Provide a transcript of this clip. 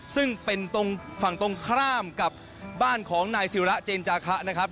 ซึ่งเป็นตรงฝั่งตรงข้ามกับบ้านของนายศิระเจนจาคะนะครับ